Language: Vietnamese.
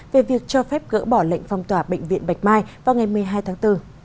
về việc cho phép gỡ bỏ lệnh phong tỏa bệnh viện bạch mai vào ngày một mươi hai tháng bốn